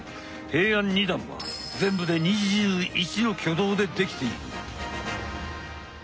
平安二段は全部で２１の挙動でできている。